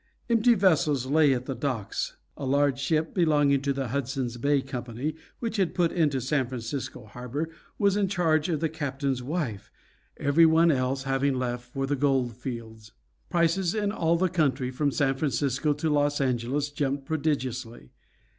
Empty vessels lay at the docks. A large ship belonging to the Hudson's Bay Company, which had put into San Francisco harbor, was in charge of the captain's wife, every one else having left for the gold fields. Prices in all the country from San Francisco to Los Angeles jumped prodigiously.